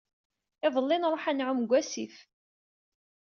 Iḍelli nruḥ ad nɛumm deg wasif.